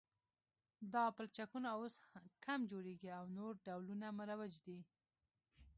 دا پلچکونه اوس کم جوړیږي او نور ډولونه مروج دي